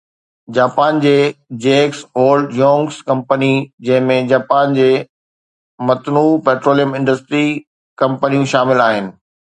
Japan جي JX Hold Youngs company, جنهن ۾ Japan جي متنوع پيٽروليم انڊسٽري ڪمپنيون شامل آهن